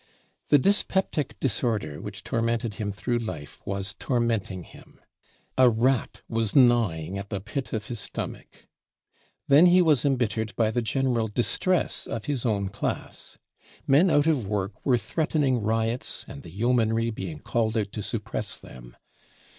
The dyspeptic disorder which tormented him through life was tormenting him. "A rat was gnawing at the pit of his stomach." Then he was embittered by the general distress of his own class. Men out of work were threatening riots and the yeomanry being called out to suppress them.